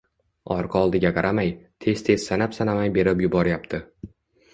orqa-oldiga qaramay, tez-tez sanab-sanamay berib yuboryapti.